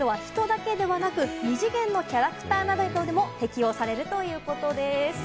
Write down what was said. この制度は人だけでなく、二次元のキャラクターなどであっても適用されるということです。